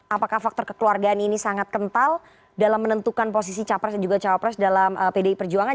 apakah faktor kekeluargaan ini sangat kental dalam menentukan posisi capres dan juga cawapres dalam pdi perjuangan